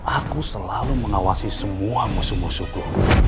aku selalu mengawasi semua musuh suku